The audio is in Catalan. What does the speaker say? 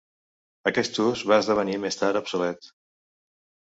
Aquest ús va esdevenir més tard obsolet.